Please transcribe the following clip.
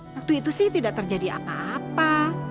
waktu itu sih tidak terjadi apa apa